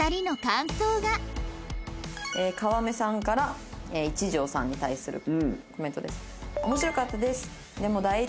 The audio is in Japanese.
川目さんから一条さんに対するコメントです。